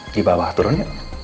di bawah turun yuk